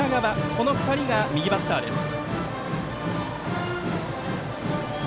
この２人が、右バッターです。